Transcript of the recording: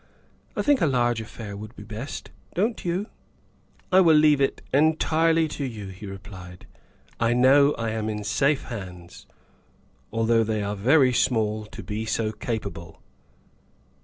I think a large affair would be best, don 't you ?'' 11 I will leave it entirely to you," he replied. " I know I am in safe hands, although they are very small to be so capable."